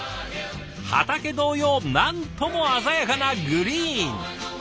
畑同様何とも鮮やかなグリーン。